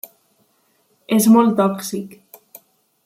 És molt tòxic.